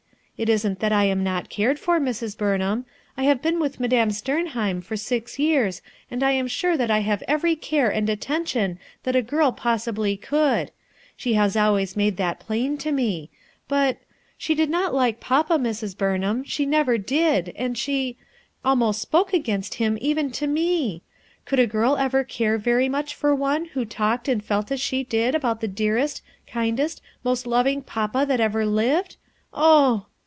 It isn't that I am not cared for, Mrs. Burnham. I have been with Madame Steraheim for six years and I am sure that I have every care and attention that a girl possibly could; she has always made that plain to me; but — She did not like papa, Mrs, Burnham. She never did; and she — almost spoke against him, even to me ! Could a girl ever care very much for one who talked and felt as she did about the dearest, kindest, most loving papa that ever lived? oh!"